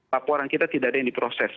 laporan kita tidak ada yang diproses